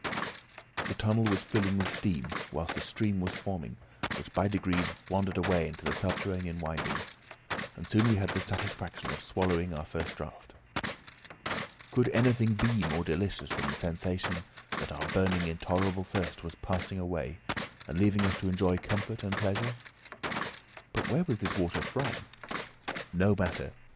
The tunnel was filling with steam, whilst a stream was forming, which by degrees wandered away into subterranean windings, and soon we had the satisfaction of swallowing our first draught. Could anything be more delicious than the sensation that our burning intolerable thirst was passing away, and leaving us to enjoy comfort and pleasure? But where was this water from? No matter.